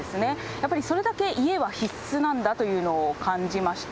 やっぱりそれだけ家は必須なんだというのを感じました。